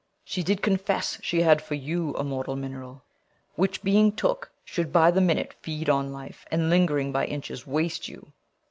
She did confess she had For you a mortal mineral, which, being took, Should by the minute feed on life, and ling'ring, By inches waste you.